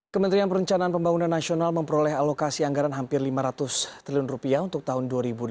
kementerian perencanaan pembangunan nasional memperoleh alokasi anggaran hampir lima ratus triliun rupiah untuk tahun dua ribu dua puluh